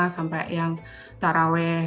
sampai yang taraweh